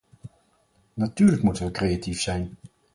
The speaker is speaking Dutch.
Natuurlijk moeten we creatief zijn.